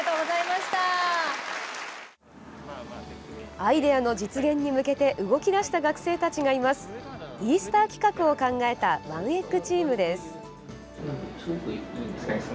アイデアの実現に向けて動き出した学生たちがいますイースター企画を考えたＯＮＥＥｇｇチームです。